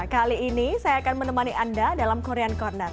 kali ini saya akan menemani anda dalam korean corner